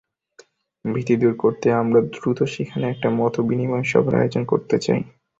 ভীতি দূর করতে আমরা দ্রুত সেখানে একটা মতবিনিময় সভার আয়োজন করতে চাই।